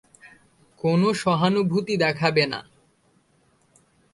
কোনো সহানুভূতি দেখাবে না।